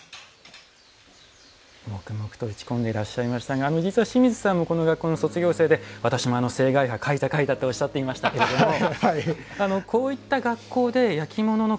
黙々と打ち込んでいらっしゃいましたが実は清水さんもこの学校の卒業生で、私も青海波描いたとおっしゃっていましたがこういった学校で焼き物の